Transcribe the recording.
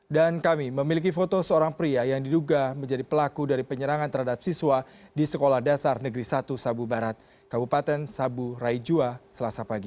dan kami memiliki foto seorang pria yang diduga menjadi pelaku dari penyerangan terhadap siswa di sekolah dasar negeri satu sabu barat kabupaten sabu raijua selasa pagi